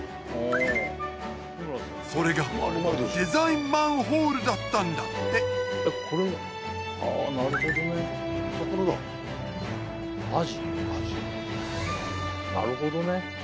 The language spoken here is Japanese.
それがデザインマンホールだったんだってなるほどね